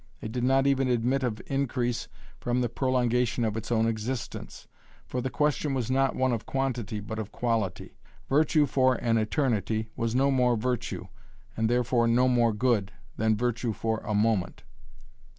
It did not even admit of increase from the prolongation of its own existence, for the question was not one of quantity, but of quality. Virtue for an eternity was no more virtue, and therefore no more good, than virtue for a moment.